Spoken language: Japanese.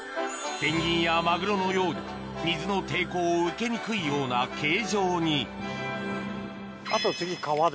ペンギンやマグロのように水の抵抗を受けにくいような形状にあと次皮で。